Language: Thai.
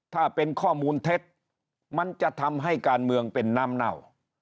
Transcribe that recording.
ถ้าเป็นข้อมูลเท็จมันจะทำให้การเมืองเป็นน้ำเน่า